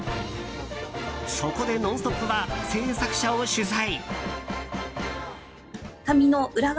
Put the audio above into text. そこで「ノンストップ！」は制作者を取材。